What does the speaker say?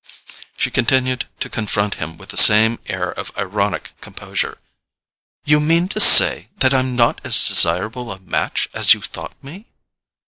She continued to confront him with the same air of ironic composure. "You mean to say that I'm not as desirable a match as you thought me?"